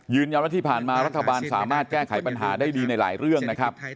ที่ผ่านมารัฐบาลสามารถแก้ไขปัญหาได้ดีในหลายเรื่องนะครับ